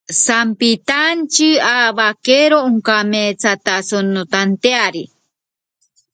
Las preguntas pueden ser recibidas anónimamente.